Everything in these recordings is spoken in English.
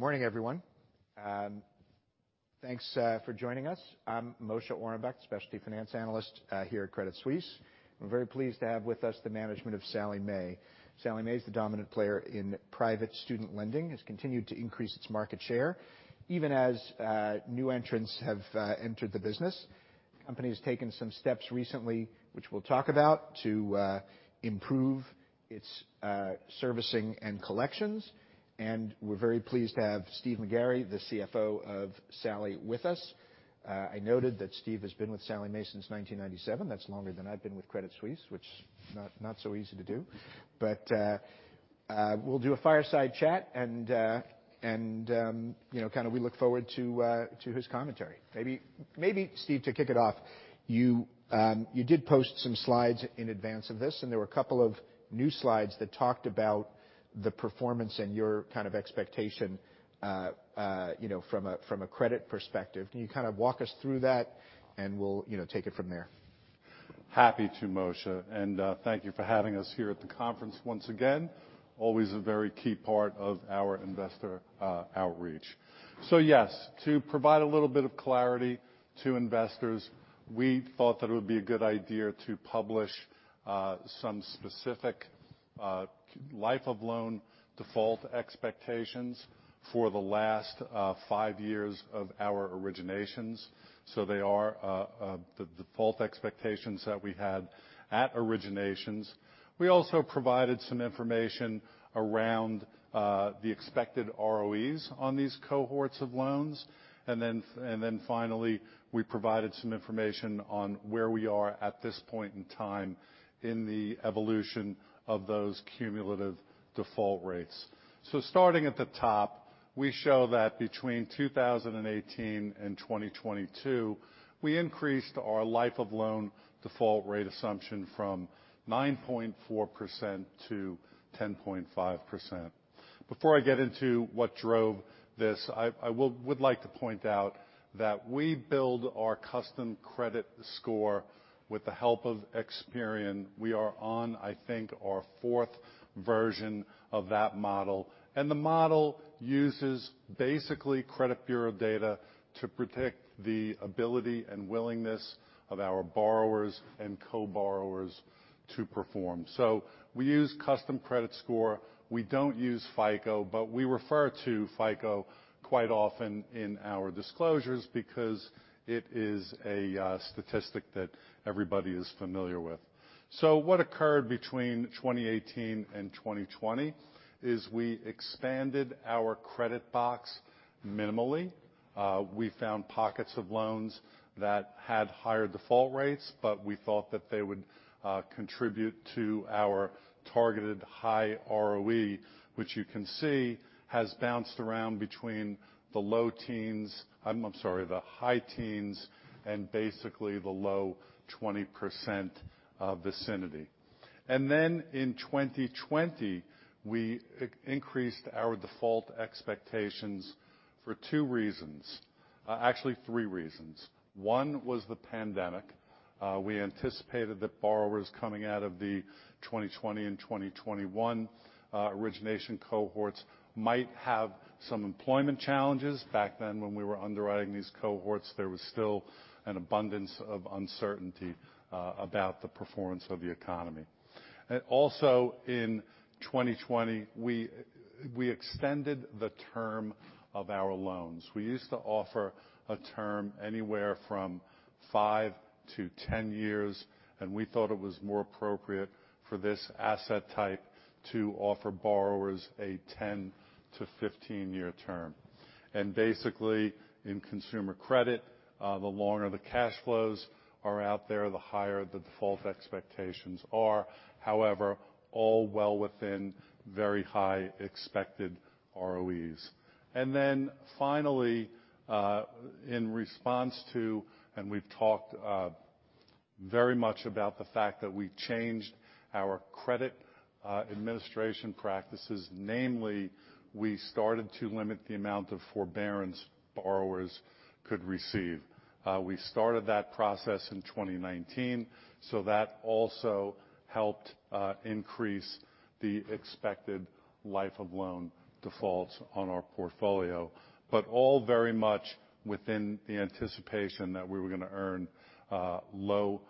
Good morning, everyone. Thanks for joining us. I'm Moshe Orenbuch, specialty finance analyst here at Credit Suisse. I'm very pleased to have with us the management of Sallie Mae. Sallie Mae is the dominant player in private student lending. It's continued to increase its market share even as new entrants have entered the business. Company has taken some steps recently, which we'll talk about, to improve its servicing and collections. We're very pleased to have Steve McGarry, the CFO of Sallie with us. I noted that Steve has been with Sallie Mae since 1997. That's longer than I've been with Credit Suisse, which not so easy to do. We'll do a fireside chat and, you know, kinda we look forward to his commentary. Maybe Steve, to kick it off, you did post some slides in advance of this. There were a couple of new slides that talked about the performance and your kind of expectation, you know, from a, from a credit perspective. Can you kind of walk us through that and we'll, you know, take it from there? Happy to, Moshe. Thank you for having us here at the conference once again. Always a very key part of our investor outreach. Yes, to provide a little bit of clarity to investors, we thought that it would be a good idea to publish some specific life of loan default expectations for the last five years of our originations. They are the default expectations that we had at originations. We also provided some information around the expected ROEs on these cohorts of loans. Then finally, we provided some information on where we are at this point in time in the evolution of those cumulative default rates. Starting at the top, we show that between 2018 and 2022, we increased our life of loan default rate assumption from 9.4%-10.5%. Before I get into what drove this, I would like to point out that we build our custom credit score with the help of Experian. We are on, I think, our fourth version of that model, and the model uses basically credit bureau data to predict the ability and willingness of our borrowers and co-borrowers to perform. We use custom credit score. We don't use FICO, but we refer to FICO quite often in our disclosures because it is a statistic that everybody is familiar with. What occurred between 2018 and 2020 is we expanded our credit box minimally. We found pockets of loans that had higher default rates, but we thought that they would contribute to our targeted high ROE, which you can see has bounced around between the low teens. I'm sorry, the high teens and basically the low 20% vicinity. In 2020, we increased our default expectations for two reasons. Actually three reasons. One was the pandemic. We anticipated that borrowers coming out of the 2020 and 2021 origination cohorts might have some employment challenges. Back then, when we were underwriting these cohorts, there was still an abundance of uncertainty about the performance of the economy. Also in 2020, we extended the term of our loans. We used to offer a term anywhere from five to 10 years, and we thought it was more appropriate for this asset type to offer borrowers a 10 to 15-year term. Basically, in consumer credit, the longer the cash flows are out there, the higher the default expectations are. However, all well within very high expected ROEs. Finally, we've talked very much about the fact that we changed our credit administration practices, namely, we started to limit the amount of forbearance borrowers could receive. We started that process in 2019, that also helped increase the expected life of loan defaults on our portfolio. All very much within the anticipation that we were gonna earn low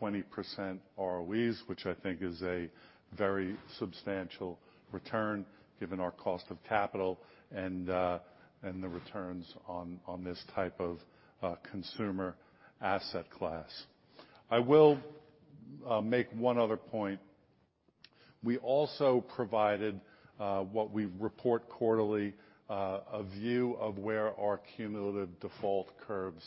20% ROEs, which I think is a very substantial return given our cost of capital and the returns on this type of consumer asset class. I will make one other point. We also provided what we report quarterly, a view of where our cumulative default curves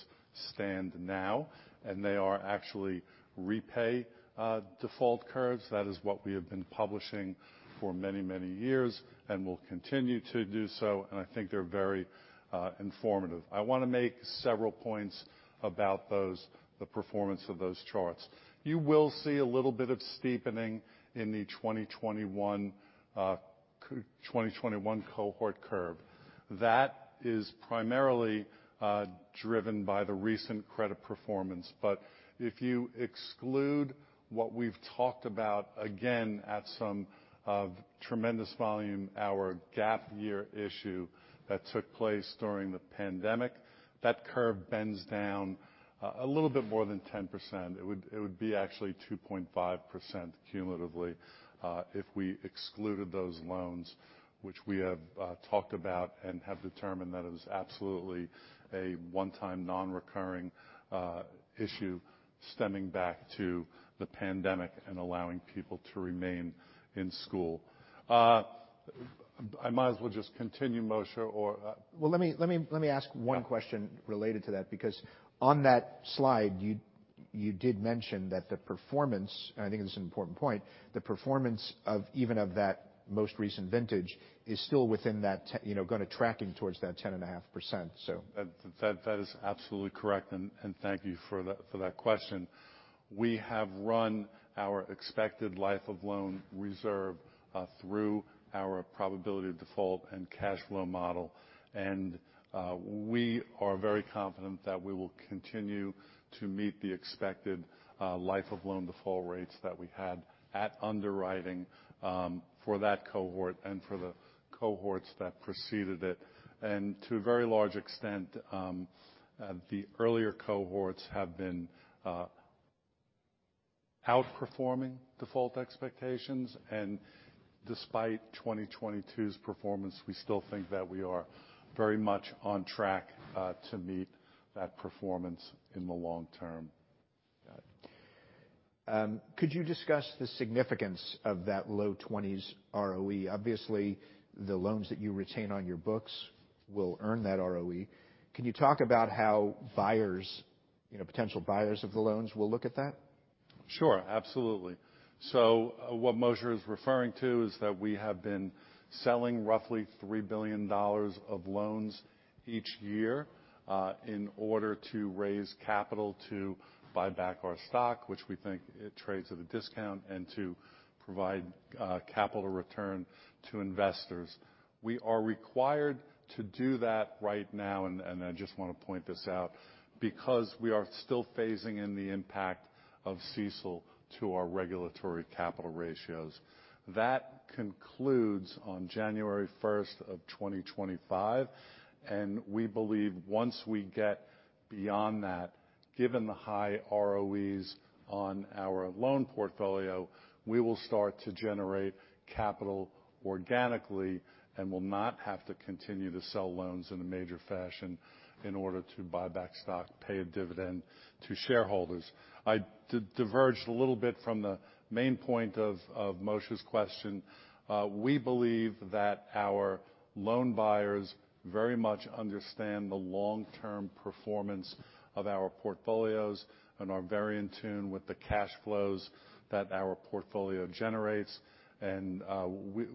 stand now, and they are actually repay default curves. That is what we have been publishing for many years and will continue to do so. I think they're very informative. I wanna make several points about the performance of those charts. You will see a little bit of steepening in the 2021 cohort curve. That is primarily driven by the recent credit performance. If you exclude what we've talked about, again, at some of tremendous volume, our gap year issue that took place during the pandemic, that curve bends down a little bit more than 10%. It would be actually 2.5% cumulatively, if we excluded those loans, which we have talked about and have determined that it is absolutely a one-time non-recurring issue stemming back to the pandemic and allowing people to remain in school. I might as well just continue, Moshe, or. Well, let me ask one question related to that, because on that slide, you did mention that the performance, and I think this is an important point, the performance of even that most recent vintage is still within that, you know, kinda tracking towards that 10.5%, so. That is absolutely correct, and thank you for that question. We have run our expected life of loan reserve through our probability of default and cash flow model. We are very confident that we will continue to meet the expected life of loan default rates that we had at underwriting for that cohort and for the cohorts that preceded it. To a very large extent, the earlier cohorts have been outperforming default expectations. Despite 2022's performance, we still think that we are very much on track to meet that performance in the long term. Got it. Could you discuss the significance of that low 20s ROE? Obviously, the loans that you retain on your books will earn that ROE. Can you talk about how buyers, you know, potential buyers of the loans will look at that? Sure. Absolutely. What Moshe is referring to is that we have been selling roughly $3 billion of loans each year in order to raise capital to buy back our stock, which we think it trades at a discount, and to provide capital return to investors. We are required to do that right now, and I just wanna point this out, because we are still phasing in the impact of CECL to our regulatory capital ratios. That concludes on January 1st of 2025, and we believe once we get beyond that, given the high ROEs on our loan portfolio, we will start to generate capital organically and will not have to continue to sell loans in a major fashion in order to buy back stock, pay a dividend to shareholders. I diverged a little bit from the main point of Moshe's question. We believe that our loan buyers very much understand the long-term performance of our portfolios and are very in tune with the cash flows that our portfolio generates.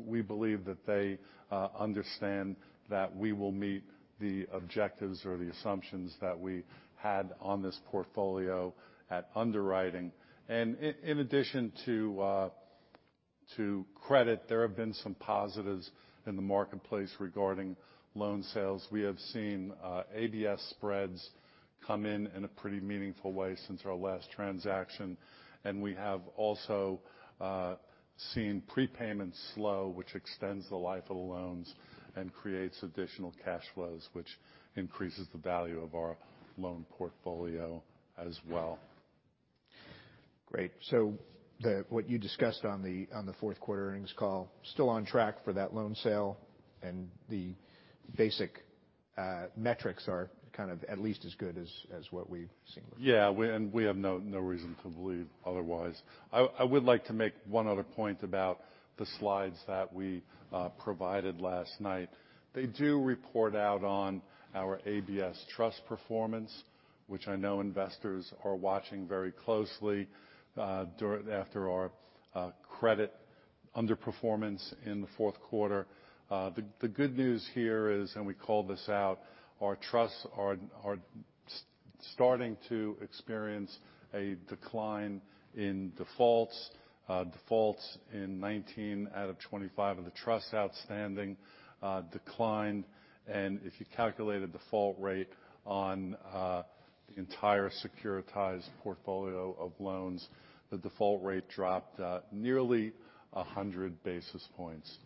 We believe that they understand that we will meet the objectives or the assumptions that we had on this portfolio at underwriting. In addition to credit, there have been some positives in the marketplace regarding loan sales. We have seen ABS spreads come in in a pretty meaningful way since our last transaction, and we have also seen prepayments slow, which extends the life of the loans and creates additional cash flows, which increases the value of our loan portfolio as well. Great. What you discussed on the fourth quarter earnings call, still on track for that loan sale, and the basic metrics are kind of at least as good as what we've seen before. Yeah. We have no reason to believe otherwise. I would like to make one other point about the slides that we provided last night. They do report out on our ABS trust performance, which I know investors are watching very closely after our credit underperformance in the fourth quarter. The good news here is, we called this out, our trusts are starting to experience a decline in defaults. Defaults in 19 out of 25 of the trusts outstanding declined. If you calculate a default rate on the entire securitized portfolio of loans, the default rate dropped nearly 100 basis points.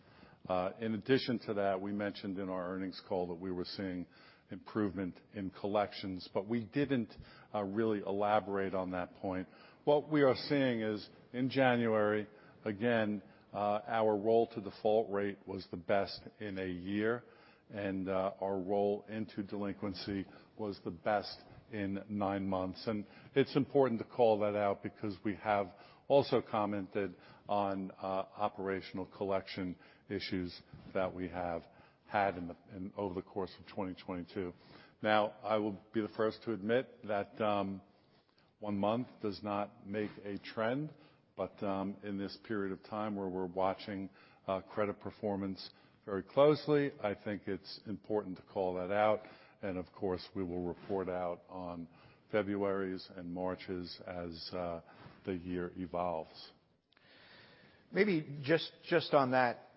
In addition to that, we mentioned in our earnings call that we were seeing improvement in collections, we didn't really elaborate on that point. What we are seeing is, in January, again, our roll to default rate was the best in a year, and our roll into delinquency was the best in nine months. It's important to call that out because we have also commented on, operational collection issues that we have had over the course of 2022. I will be the first to admit that, One month does not make a trend, but in this period of time where we're watching, credit performance very closely, I think it's important to call that out. Of course, we will report out on Februaries and Marches as the year evolves. Maybe just on that,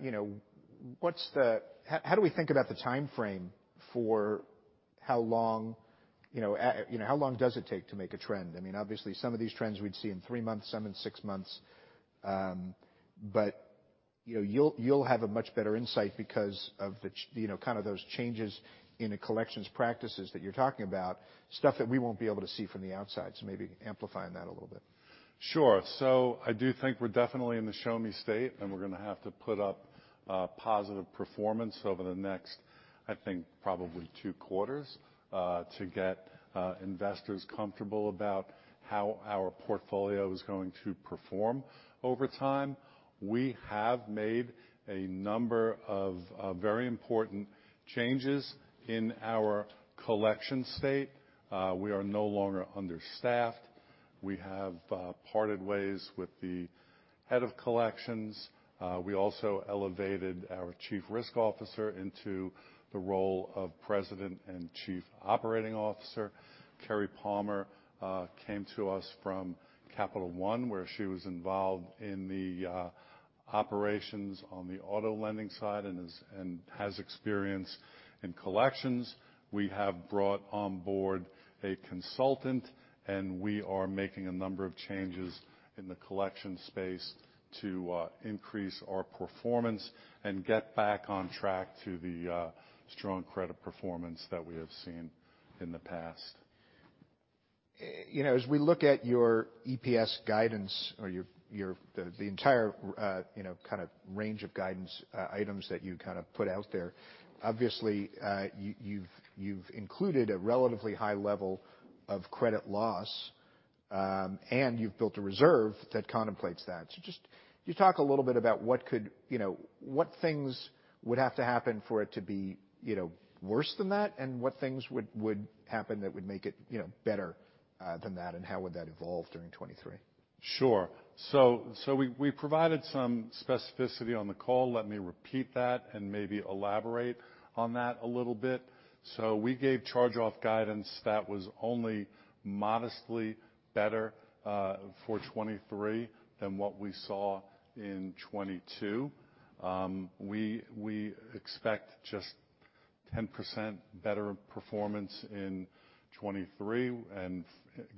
you know, How do we think about the timeframe for how long, you know, how long does it take to make a trend? I mean, obviously, some of these trends we'd see in three months, some in six months. You know, you'll have a much better insight because of the you know, kind of those changes in the collections practices that you're talking about, stuff that we won't be able to see from the outside. Maybe amplifying that a little bit. Sure. I do think we're definitely in the show-me state, and we're gonna have to put up positive performance over the next, I think, probably two quarters, to get investors comfortable about how our portfolio is going to perform over time. We have made a number of very important changes in our collection state. We are no longer understaffed. We have parted ways with the head of collections. We also elevated our Chief Risk Officer into the role of President and Chief Operating Officer. Kerri Palmer came to us from Capital One, where she was involved in the operations on the auto lending side and has experience in collections. We have brought on board a consultant, and we are making a number of changes in the collection space to increase our performance and get back on track to the strong credit performance that we have seen in the past. You know, as we look at your EPS guidance or your, the entire, you know, kind of range of guidance, items that you kind of put out there, obviously, you've included a relatively high level of credit loss, and you've built a reserve that contemplates that. Just, can you talk a little bit about what could, you know, what things would have to happen for it to be, you know, worse than that, and what things would happen that would make it, you know, better than that, and how would that evolve during 2023? Sure. We provided some specificity on the call. Let me repeat that and maybe elaborate on that a little bit. We gave charge-off guidance that was only modestly better for 2023 than what we saw in 2022. We expect just 10% better performance in 2023.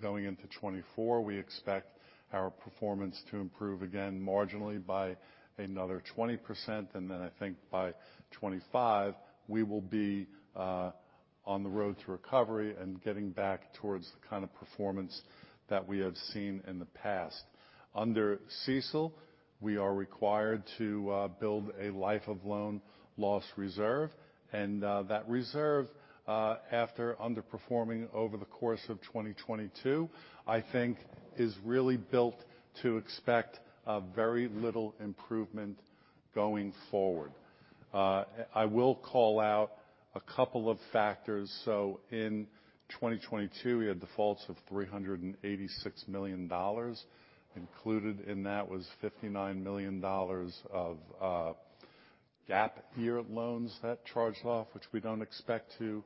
Going into 2024, we expect our performance to improve again marginally by another 20%. I think by 2025, we will be on the road to recovery and getting back towards the kind of performance that we have seen in the past. Under CECL, we are required to build a life of loan loss reserve. That reserve, after underperforming over the course of 2022, I think is really built to expect very little improvement going forward. I will call out a couple of factors. In 2022, we had defaults of $386 million. Included in that was $59 million of gap year loans that charged off, which we don't expect to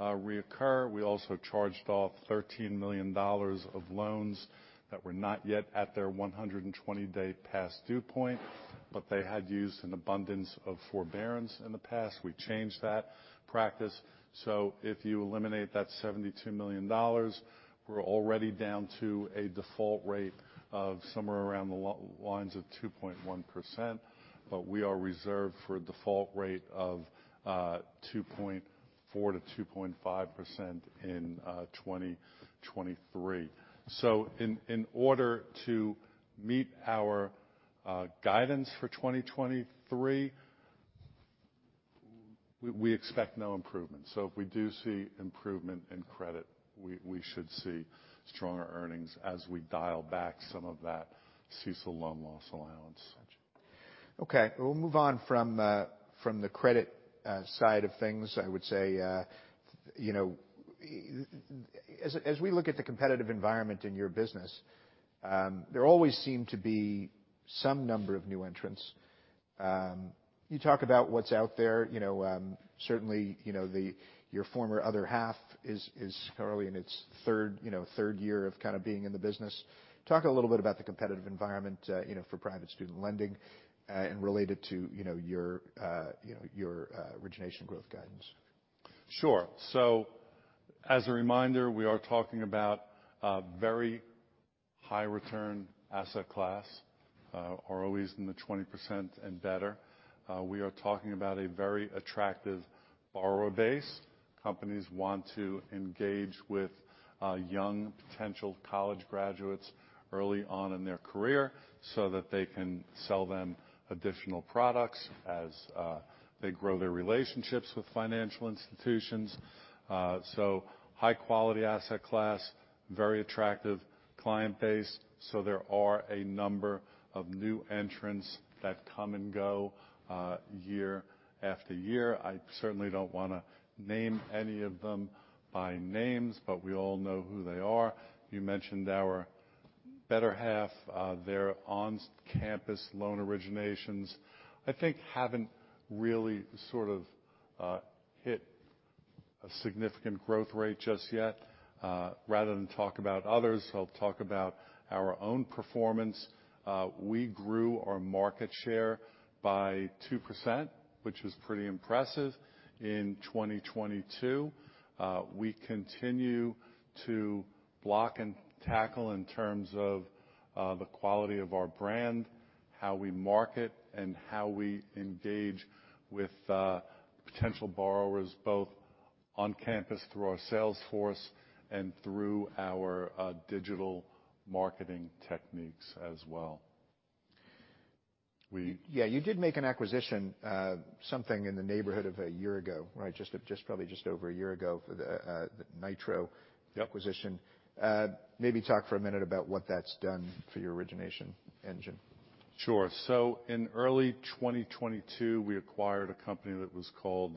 reoccur. We also charged off $13 million of loans that were not yet at their 120-day past due point, but they had used an abundance of forbearance in the past. We changed that practice. If you eliminate that $72 million, we're already down to a default rate of somewhere around the lines of 2.1%, but we are reserved for a default rate of 2.4%-2.5% in 2023. In order to meet our guidance for 2023, we expect no improvement. If we do see improvement in credit, we should see stronger earnings as we dial back some of that CECL loan loss allowance. Okay. We'll move on from the credit side of things. I would say, you know, as we look at the competitive environment in your business, there always seem to be some number of new entrants. You talk about what's out there, you know, certainly, you know, your former other half is currently in its third year of kind of being in the business. Talk a little bit about the competitive environment, you know, for private student lending, and relate it to, you know, your, you know, your origination growth guidance. Sure. As a reminder, we are talking about a very high return asset class, ROEs in the 20% and better. We are talking about a very attractive borrower base. Companies want to engage with young potential college graduates early on in their career so that they can sell them additional products as they grow their relationships with financial institutions. High quality asset class, very attractive client base, there are a number of new entrants that come and go year after year. I certainly don't wanna name any of them by names, but we all know who they are. You mentioned our better half, their on-campus loan originations, I think haven't really sort of hit a significant growth rate just yet. Rather than talk about others, I'll talk about our own performance. We grew our market share by 2%, which is pretty impressive, in 2022. We continue to block and tackle in terms of the quality of our brand, how we market, and how we engage with potential borrowers, both on campus through our sales force and through our digital marketing techniques as well. Yeah, you did make an acquisition, something in the neighborhood of a year ago, right? Just probably just over a year ago for the Nitro- Yep. acquisition. Maybe talk for a minute about what that's done for your origination engine. Sure. In early 2022, we acquired a company that was called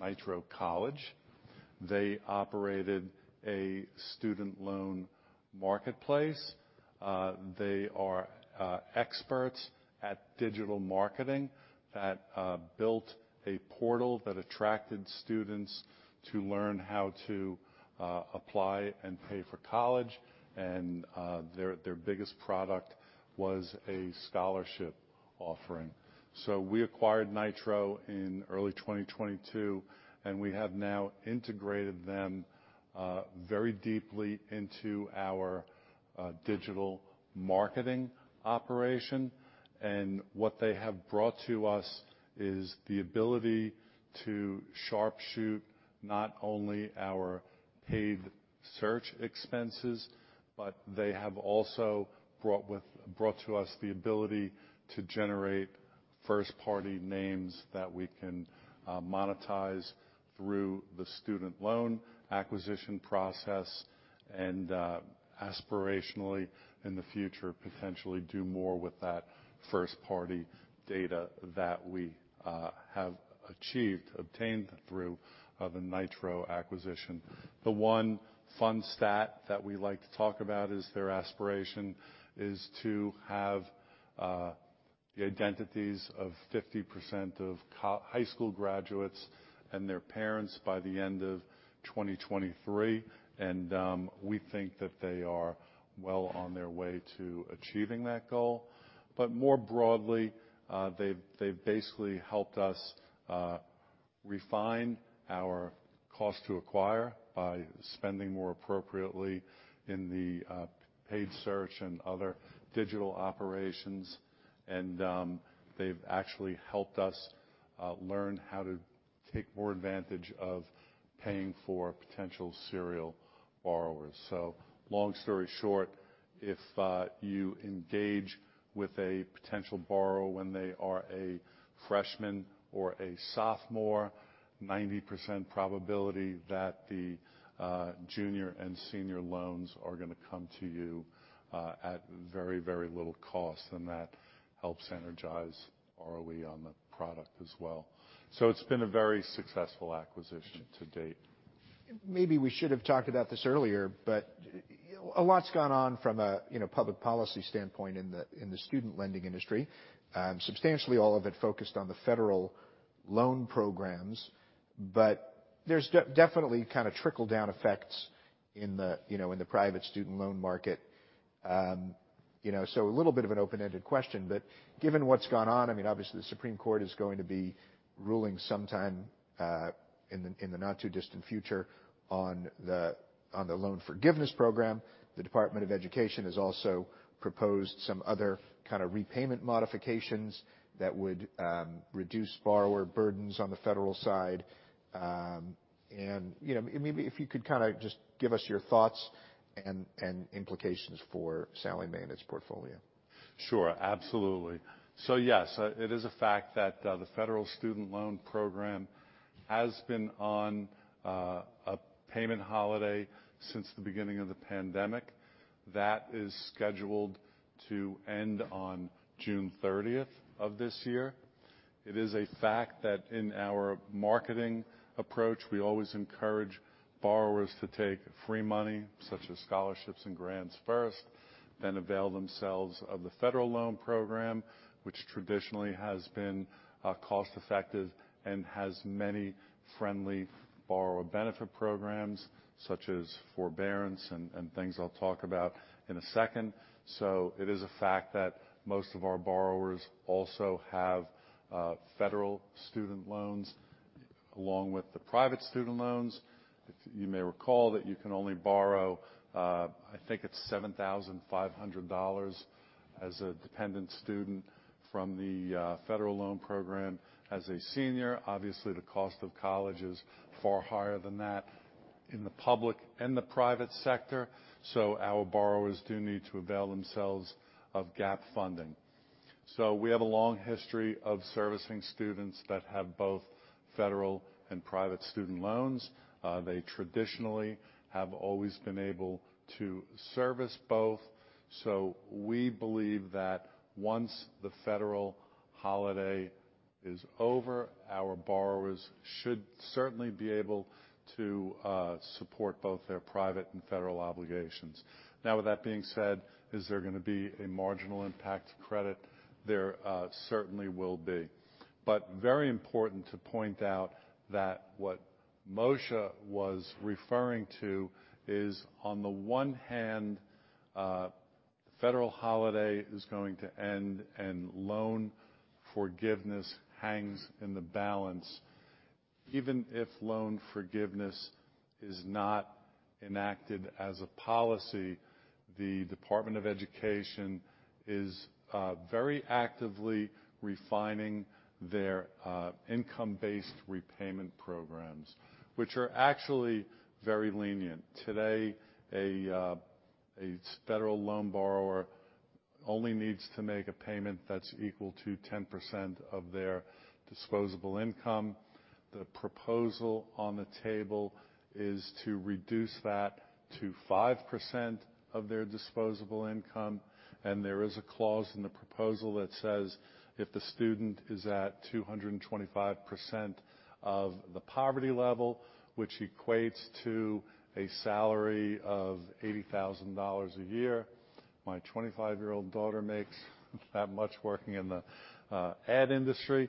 Nitro College. They operated a student loan marketplace. They are experts at digital marketing that built a portal that attracted students to learn how to apply and pay for college. Their biggest product was a scholarship offering. We acquired Nitro in early 2022, and we have now integrated them very deeply into our digital marketing operation. What they have brought to us is the ability to sharp shoot not only our paid search expenses, but they have also brought to us the ability to generate first-party names that we can monetize through the student loan acquisition process, and aspirationally, in the future, potentially do more with that first-party data that we have achieved, obtained through the Nitro acquisition. The one fun stat that we like to talk about is their aspiration is to have the identities of 50% of high school graduates and their parents by the end of 2023. We think that they are well on their way to achieving that goal. More broadly, they've basically helped us refine our cost to acquire by spending more appropriately in the paid search and other digital operations. They've actually helped us learn how to take more advantage of paying for potential serial borrowers. Long story short, if you engage with a potential borrower when they are a freshman or a sophomore, 90% probability that the junior and senior loans are gonna come to you at very, very little cost, and that helps energize ROE on the product as well. It's been a very successful acquisition to date. A lot's gone on from a, you know, public policy standpoint in the student lending industry. Substantially all of it focused on the Federal Loan Programs. There's definitely kinda trickle-down effects in the, you know, in the private student loan market. You know, a little bit of an open-ended question, given what's gone on, I mean, obviously, the Supreme Court is going to be ruling sometime in the not-too-distant future on the loan forgiveness program. The Department of Education has also proposed some other kinda repayment modifications that would reduce borrower burdens on the federal side. You know, maybe if you could kinda just give us your thoughts and implications for Sallie Mae and its portfolio. Sure. Absolutely. Yes, it is a fact that the Federal Student Loan Program has been on a payment holiday since the beginning of the pandemic. That is scheduled to end on June 30th of this year. It is a fact that in our marketing approach, we always encourage borrowers to take free money, such as scholarships and grants first, then avail themselves of the Federal Loan Program, which traditionally has been cost-effective and has many friendly borrower benefit programs, such as forbearance and things I'll talk about in a second. It is a fact that most of our borrowers also have federal student loans along with the private student loans. If you may recall that you can only borrow, I think it's $7,500 as a dependent student from the Federal Loan Program as a senior. Obviously, the cost of college is far higher than that in the public and the private sector, our borrowers do need to avail themselves of gap funding. We have a long history of servicing students that have both Federal and private student loans. They traditionally have always been able to service both. We believe that once the Federal holiday is over, our borrowers should certainly be able to support both their private and Federal obligations. Now, with that being said, is there gonna be a marginal impact to credit? There certainly will be. Very important to point out that what Moshe was referring to is, on the one hand, Federal holiday is going to end, and loan forgiveness hangs in the balance. Even if loan forgiveness is not enacted as a policy, the Department of Education is very actively refining their income-driven repayment programs, which are actually very lenient. Today, a federal loan borrower only needs to make a payment that's equal to 10% of their disposable income. The proposal on the table is to reduce that to 5% of their disposable income, and there is a clause in the proposal that says if the student is at 225% of the poverty level, which equates to a salary of $80,000 a year, my 25-year-old daughter makes that much working in the ad industry,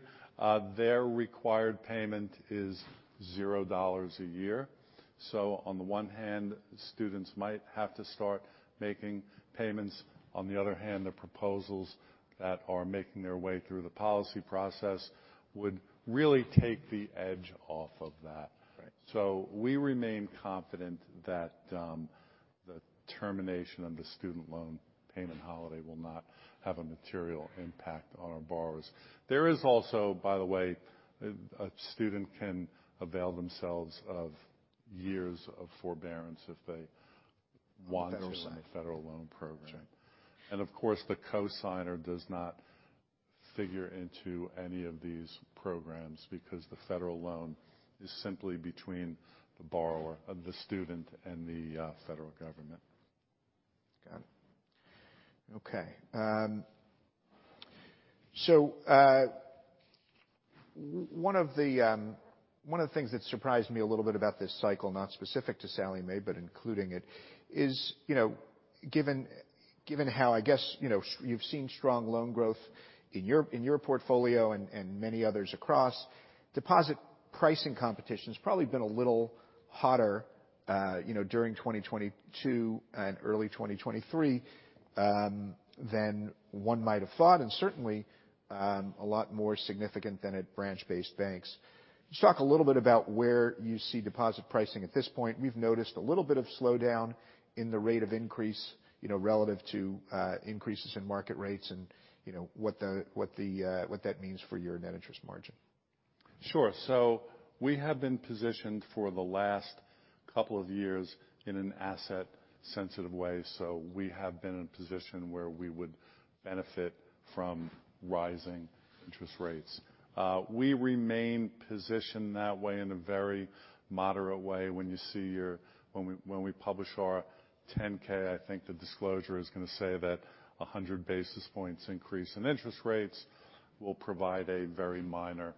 their required payment is $0 a year. On the one hand, students might have to start making payments. On the other hand, the proposals that are making their way through the policy process would really take the edge off of that. Right. We remain confident that the termination of the student loan payment holiday will not have a material impact on our borrowers. There is also, by the way, a student can avail themselves of years of forbearance if they want- Federal loan. ...to stay in the Federal Loan Program. Sure. Of course, the cosigner does not figure into any of these programs because the Federal loan is simply between the borrower, the student, and the Federal government. Got it. Okay. One of the things that surprised me a little bit about this cycle, not specific to Sallie Mae, but including it is, you know, given how, I guess, you know, you've seen strong loan growth in your, in your portfolio and many others across, deposit pricing competition's probably been a little hotter, you know, during 2022 and early 2023, than one might have thought, and certainly, a lot more significant than at branch-based banks. Just talk a little bit about where you see deposit pricing at this point. We've noticed a little bit of slowdown in the rate of increase, you know, relative to increases in market rates and, you know, what the, what that means for your net interest margin. Sure. We have been positioned for the last couple of years in an asset-sensitive way, so we have been in a position where we would benefit from rising interest rates. We remain positioned that way in a very moderate way. When we publish our 10-K, I think the disclosure is going to say that 100 basis points increase in interest rates will provide a very minor,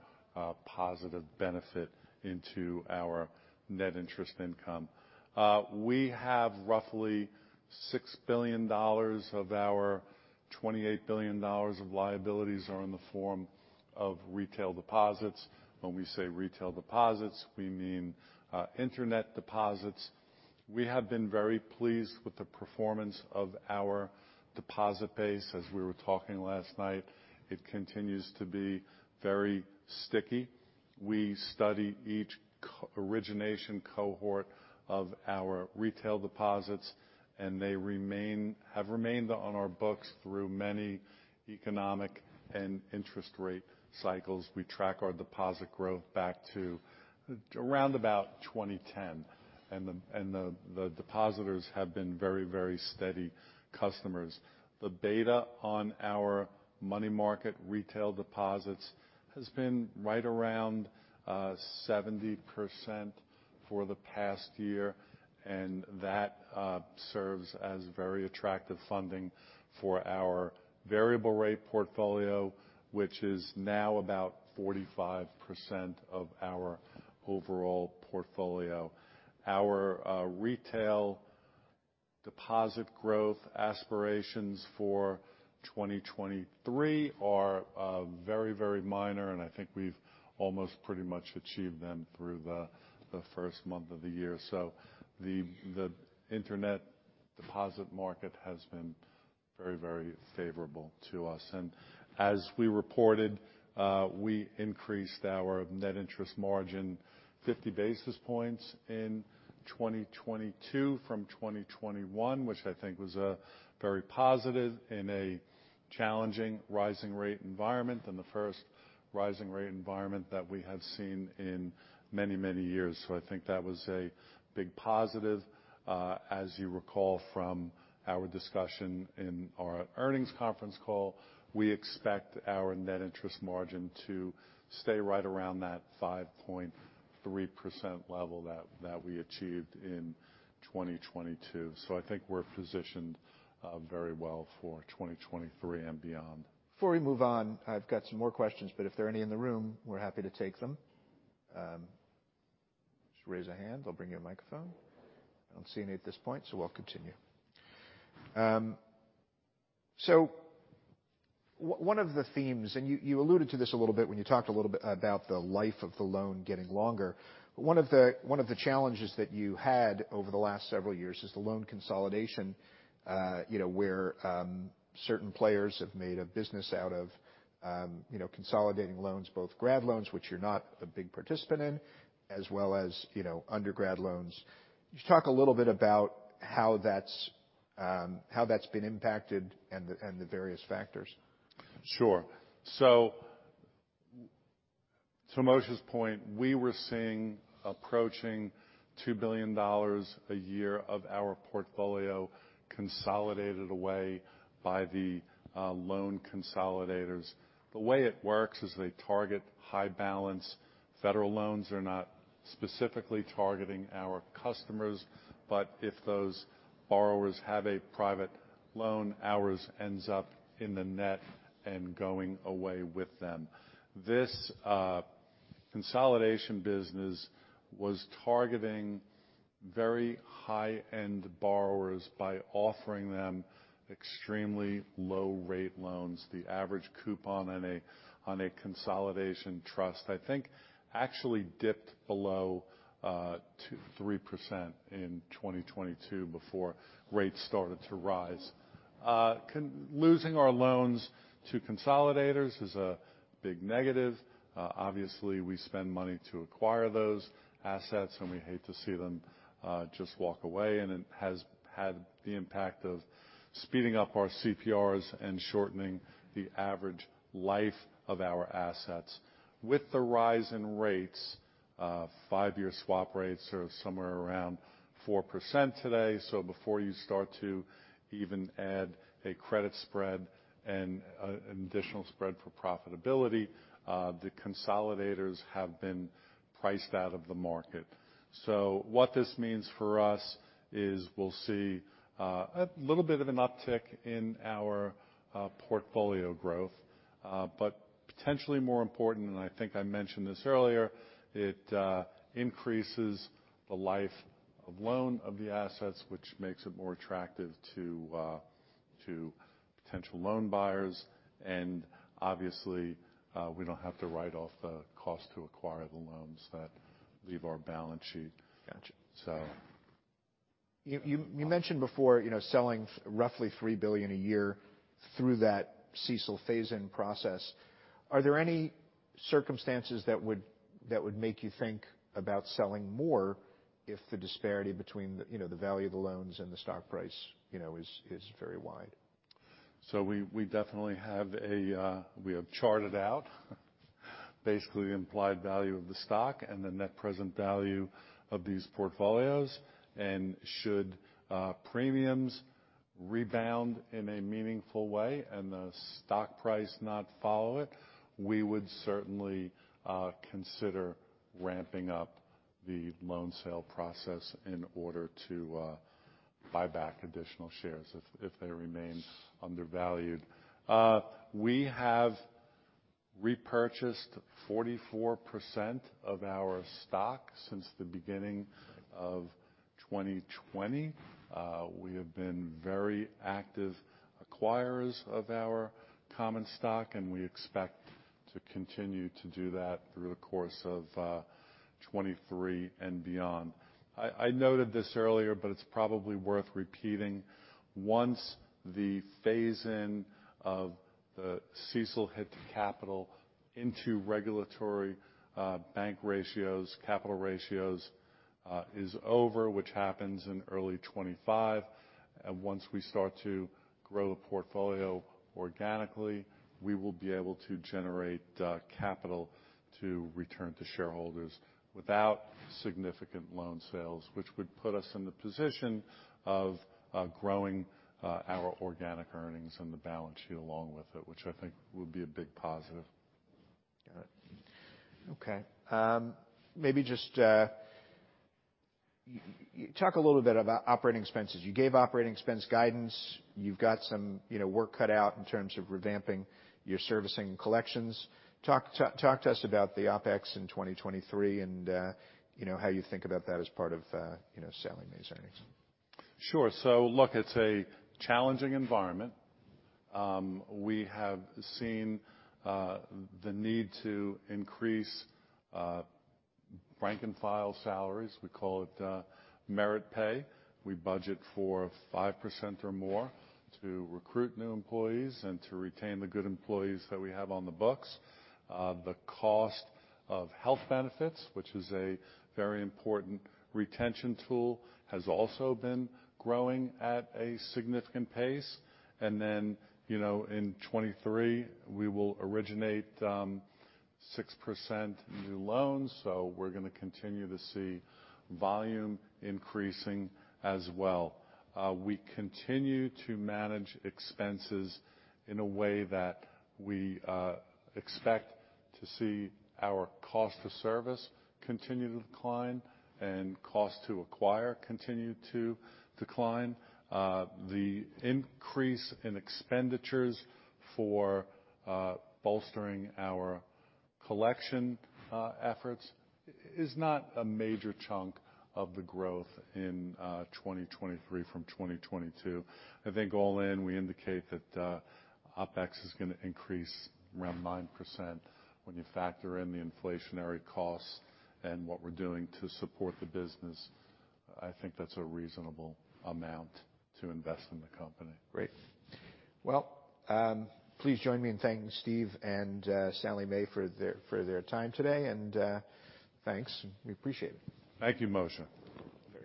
positive benefit into our net interest income. We have roughly $6 billion of our $28 billion of liabilities are in the form of retail deposits. When we say retail deposits, we mean, internet deposits. We have been very pleased with the performance of our deposit base. As we were talking last night, it continues to be very sticky. We study each co-origination cohort of our retail deposits, and they remain... have remained on our books through many economic and interest rate cycles. We track our deposit growth back to around about 2010, and the depositors have been very, very steady customers. The beta on our money market retail deposits has been right around 70% for the past year, and that serves as very attractive funding for our variable rate portfolio, which is now about 45% of our overall portfolio. Our retail deposit growth aspirations for 2023 are very, very minor, and I think we've almost pretty much achieved them through the first month of the year. The internet deposit market has been very, very favorable to us. As we reported, we increased our net interest margin 50 basis points in 2022 from 2021, which I think was very positive in a challenging rising rate environment and the first rising rate environment that we have seen in many, many years. I think that was a big positive. As you recall from our discussion in our earnings conference call, we expect our net interest margin to stay right around that 5.3% level that we achieved in 2022. I think we're positioned very well for 2023 and beyond. Before we move on, I've got some more questions, but if there are any in the room, we're happy to take them. Just raise a hand, they'll bring you a microphone. I don't see any at this point, so we'll continue. One of the themes, and you alluded to this a little bit when you talked a little bit about the life of the loan getting longer. One of the challenges that you had over the last several years is the loan consolidation, you know, where, certain players have made a business out of, you know, consolidating loans, both grad loans, which you're not a big participant in, as well as, you know, undergrad loans. Just talk a little bit about how that's, how that's been impacted and the, and the various factors. Sure. To Moshe's point, we were seeing approaching $2 billion a year of our portfolio consolidated away by the loan consolidators. The way it works is they target high balance federal loans. They're not specifically targeting our customers, but if those borrowers have a private loan, ours ends up in the net and going away with them. This consolidation business was targeting very high-end borrowers by offering them extremely low rate loans. The average coupon on a consolidation trust, I think, actually dipped below 3% in 2022 before rates started to rise. Losing our loans to consolidators is a big negative. Obviously, we spend money to acquire those assets, and we hate to see them just walk away. it has had the impact of speeding up our CPRs and shortening the average life of our assets. With the rise in rates, five-year swap rates are somewhere around 4% today. Before you start to even add a credit spread and an additional spread for profitability, the consolidators have been priced out of the market. What this means for us is we'll see a little bit of an uptick in our portfolio growth. Potentially more important, and I think I mentioned this earlier, it increases the life of loan of the assets, which makes it more attractive to potential loan buyers. Obviously, we don't have to write off the cost to acquire the loans that leave our balance sheet. Gotcha. So... You mentioned before, you know, selling roughly $3 billion a year through that CECL phase-in process. Are there any circumstances that would make you think about selling more if the disparity between, you know, the value of the loans and the stock price, you know, is very wide? We definitely have a. We have charted out basically the implied value of the stock and the net present value of these portfolios. Should premiums rebound in a meaningful way and the stock price not follow it, we would certainly consider ramping up the loan sale process in order to buy back additional shares if they remain undervalued. We have repurchased 44% of our stock since the beginning of 2020. We have been very active acquirers of our common stock, and we expect to continue to do that through the course of 2023 and beyond. I noted this earlier, but it's probably worth repeating. Once the phase-in of the CECL hit capital into regulatory, bank ratios, capital ratios, is over, which happens in early 2025, and once we start to grow the portfolio organically, we will be able to generate, capital to return to shareholders without significant loan sales, which would put us in the position of, growing, our organic earnings and the balance sheet along with it, which I think would be a big positive. Got it. Okay. Maybe just, you talk a little bit about operating expenses. You gave operating expense guidance. You've got some, you know, work cut out in terms of revamping your servicing collections. Talk to us about the OpEx in 2023 and, you know, how you think about that as part of, you know, selling these earnings. Sure. It's a challenging environment. We have seen the need to increase rank and file salaries. We call it merit pay. We budget for 5% or more to recruit new employees and to retain the good employees that we have on the books. The cost of health benefits, which is a very important retention tool, has also been growing at a significant pace. You know, in 2023, we will originate 6% new loans. We're gonna continue to see volume increasing as well. We continue to manage expenses in a way that we expect to see our cost to service continue to decline and cost to acquire continue to decline. The increase in expenditures for bolstering our collection efforts is not a major chunk of the growth in 2023 from 2022. I think all in, we indicate that OpEx is going to increase around 9%. When you factor in the inflationary costs and what we're doing to support the business, I think that's a reasonable amount to invest in the company. Great. Well, please join me in thanking Steve and Sallie Mae for their time today. Thanks. We appreciate it. Thank you, Moshe. Very good.